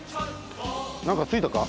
なんかついたか？